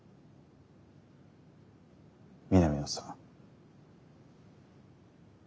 南野さん。